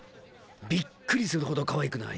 びっくりするほどかわいくない。